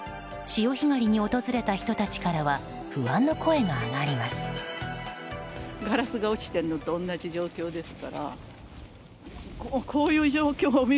潮干狩りに訪れた人たちからは不安の声が上がります。